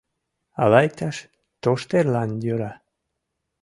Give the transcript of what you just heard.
Ала иктаж тоштерлан йӧра...